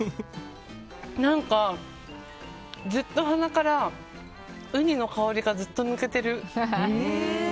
何か鼻からウニの香りがずっと抜けている。